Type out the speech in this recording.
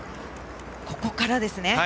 ここからですね。